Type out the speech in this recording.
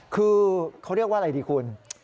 คือเขาเรียกว่าอะไรดีคุณ